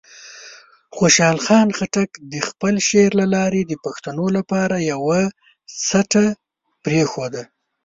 خوشحال خان خټک د خپل شعر له لارې د پښتنو لپاره یوه سټه پرېښوده.